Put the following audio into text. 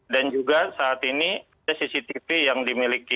dan juga saat ini cctv yang dimiliki